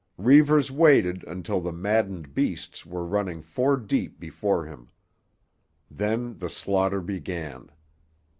Reivers waited until the maddened beasts were running four deep before him. Then the slaughter began.